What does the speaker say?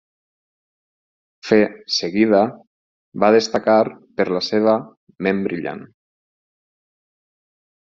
Fe seguida va destacar per la seva ment brillant.